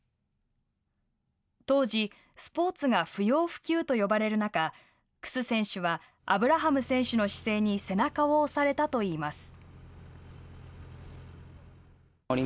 当時、スポーツが不要不急と呼ばれる中楠選手はアブラハム選手の姿勢に背中を押されたといいます。